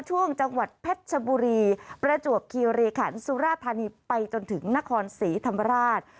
ช่วงจังหวัดเพชรบุรีประจวกคิโรคันสุรภัณฑ์ไปจนถึงนครศรีธรรมราช